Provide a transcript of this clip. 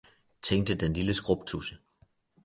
tænkte den lille skrubtudse.